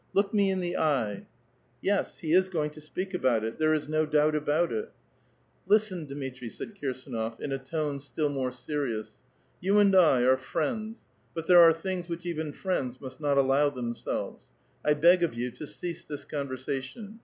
" Look me in the eye." *"* Yes, he is going to speak about it; there is no doubt a^iit it." *"*" Listen, Dmitri," said Kirsdnof, in a tone still more serious. " You and I are friends ; but there are things ''^tiich even friends must not allow themselves. I beg of yovi to cease this conversation.